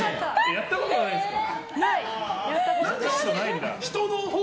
やったことないんですか？